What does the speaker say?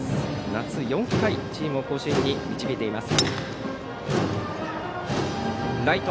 夏４回、チームを甲子園に導いています。